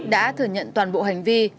đã thừa nhận toàn bộ hành vi